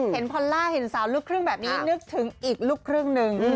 พอลล่าเห็นสาวลูกครึ่งแบบนี้นึกถึงอีกลูกครึ่งหนึ่ง